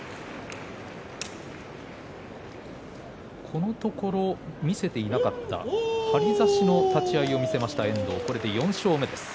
このところ見せていなかった張り差しの立ち合いを見せました遠藤です。